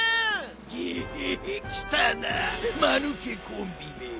ゲヘヘきたなまぬけコンビめ。